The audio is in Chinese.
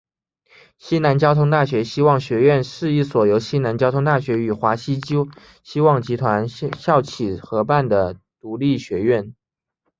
西南交通大学希望学院是一所由西南交通大学与华西希望集团校企合办的独立学院。